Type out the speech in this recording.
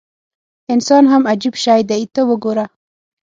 انسان هم عجیب شی دی ته وګوره.